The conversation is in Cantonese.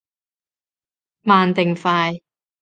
慢定快？